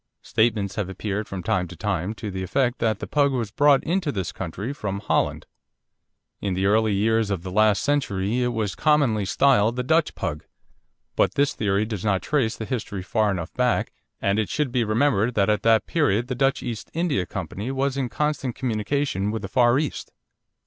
Statements have appeared from time to time to the effect that the Pug was brought into this country from Holland. In the early years of the last century it was commonly styled the Dutch Pug. But this theory does not trace the history far enough back, and it should be remembered that at that period the Dutch East India Company was in constant communication with the Far East.